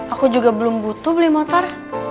aku juga belum butuh beli motor